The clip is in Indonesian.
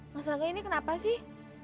mas rangga ini kenapa sih